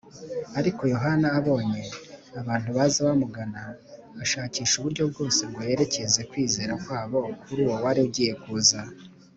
Ariko Yohana abonye abantu baza bamugana, ashakisha uburyo bwose ngo yerekeze kwizera kwabo kuri uwo wari ugiye kuza.